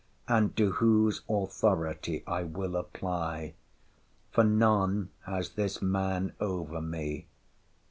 —and to whose authority I will apply; for none has this man over me.